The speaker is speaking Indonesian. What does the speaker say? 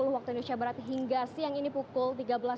tiga puluh waktu indonesia barat hingga siang ini pukul tiga belas tujuh